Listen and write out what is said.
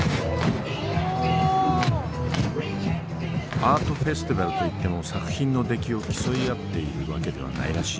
アートフェスティバルといっても作品の出来を競い合っている訳ではないらしい。